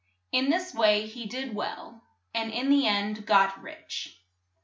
In this way he did well, and in the end got rich.